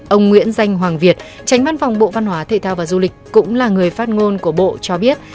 ông nguyễn danh hoàng việt tránh văn phòng bộ văn hóa thể thao và du lịch cũng là người phát ngôn của bộ cho biết